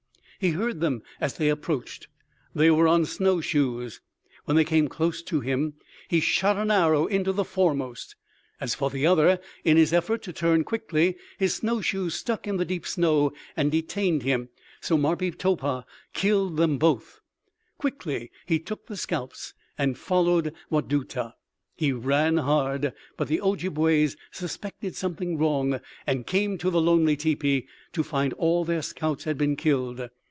He heard them as they approached. They were on snow shoes. When they came close to him, he shot an arrow into the foremost. As for the other, in his effort to turn quickly his snow shoes stuck in the deep snow and detained him, so Marpeetopah killed them both. "Quickly he took the scalps and followed Wadutah. He ran hard. But the Ojibways suspected something wrong and came to the lonely teepee, to find all their scouts had been killed.